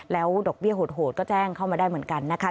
แล้วดอกเบี้ยโหดก็แจ้งเข้ามาได้เหมือนกันนะคะ